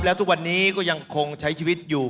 แล้วทุกวันนี้ก็ยังคงใช้ชีวิตอยู่